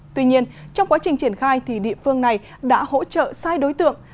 tuy nhiên trong quá trình triển khai thì địa phương này đã hỗ trợ sai đối tượng